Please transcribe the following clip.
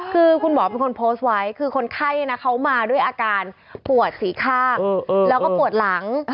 คือคุณหมอเป็นคนโพสต์ไว้คือคนไข้นะเขามาด้วยอาการปวดสีข้างแล้วก็ปวดหลัง